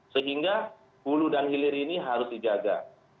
sehingga bulu dan hilir ini harus dijaga